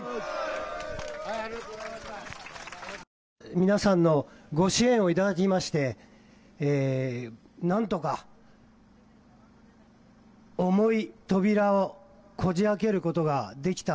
皆さんのご支援をいただきまして、なんとか重い扉をこじあけることができた。